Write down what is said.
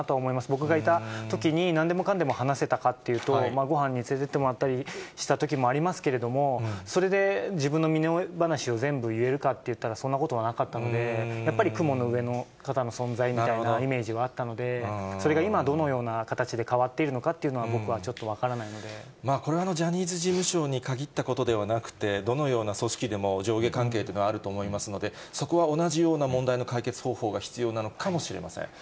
僕がいたときに、なんでもかんでも話せたかというと、ごはんに連れていってもらったりしたときもありますけれども、それで自分の身の上話を全部言えるかっていったら、そんなことはなかったので、やっぱり雲の上の方の存在みたいなイメージはあったので、それが今、どのような形で変わっているのかというのは、僕はちょっと分からこれはジャニーズ事務所に限ったことではなくて、どのような組織でも、上下関係とかあると思いますので、そこは同じような問題の解決方法が必要なのかもしれません。